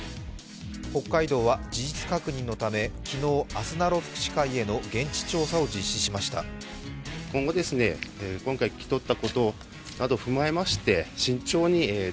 北海道は事実確認のため、昨日、あすなろ福祉会への現地調査を実施しました。